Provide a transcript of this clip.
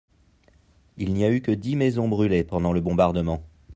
Il n'y a eu que dis maisons brûlées pendant le bombardement.